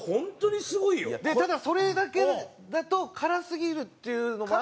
ただそれだけだと辛すぎるっていうのがあって。